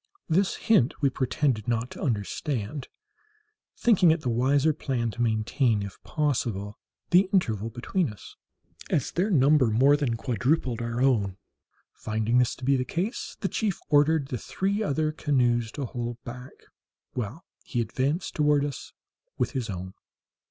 This hint we pretended not to understand, thinking it the wiser plan to maintain, if possible, the interval between us, as their number more than quadrupled our own. Finding this to be the case, the chief ordered the three other canoes to hold back, while he advanced toward us with his own.